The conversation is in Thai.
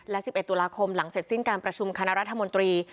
และ๑๑ตุลาคมหลังเสร็จสิ้นการประชุมคณะรัฐมนตรี